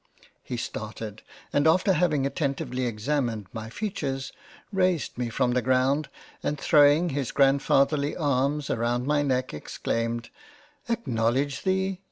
He started, and after having attentively examined my features, raised me from the Ground and throwing his Grand fatherly arms around my Neck, exclaimed, " Acknowledge thee